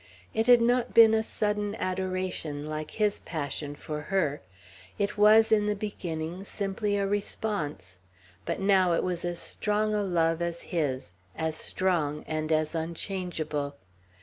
It had not been a sudden adoration, like his passion for her; it was, in the beginning, simply a response; but now it was as strong a love as his, as strong, and as unchangeable.